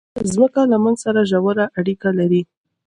مځکه له موږ سره ژوره اړیکه لري.